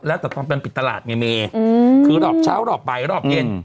แล้วแต่ความเป็นปิดตลาดไงเมคือรอบเช้ารอบบ่ายรอบเย็น